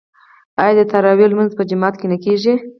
آیا د تراويح لمونځ په جومات کې نه کیږي؟